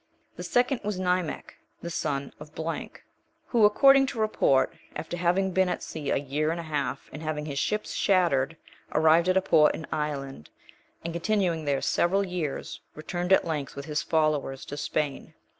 The second was Nimech, the son of...,(2) who, according to report, after having been at sea a year and a half, and having his ships shattered, arrived at a port in Ireland, and continuing there several years, returned at length with his followers to Spain.